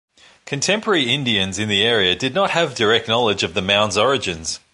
Contemporary Indians in the area did not have direct knowledge of the mounds' origins.